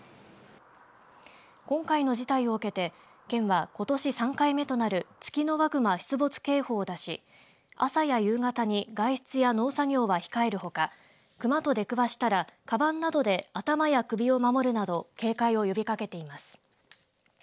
今回の事態を受けて県はことし３回目となるツキノワグマ出没警報を出し朝や夕方に外出や農作業は控えるほかクマと出くわしたらかばんなどで頭や首を守るなど警戒を呼びかけています。